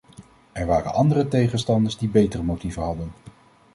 Er waren andere tegenstanders die betere motieven hadden.